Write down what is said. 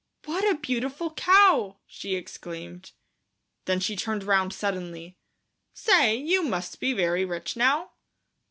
"What a beautiful cow," she exclaimed. Then she turned round suddenly. "Say, you must be very rich now?"